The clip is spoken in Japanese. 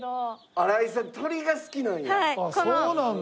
新井さん鳥が好きなんや。